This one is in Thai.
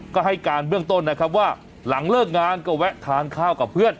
ก็ให้การเบื้องต้นนะครับว่าหลังเลิกงานก็แวะทานข้าวกับเพื่อน